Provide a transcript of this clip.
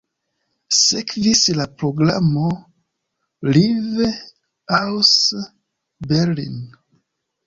Sekvis la programo "Live aus Berlin".